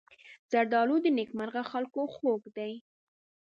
زردالو د نېکمرغه خلکو خوږ دی.